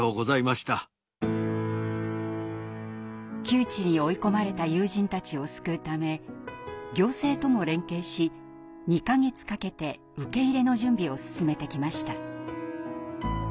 窮地に追い込まれた友人たちを救うため行政とも連携し２か月かけて受け入れの準備を進めてきました。